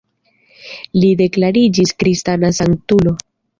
Li deklariĝis kristana sanktulo.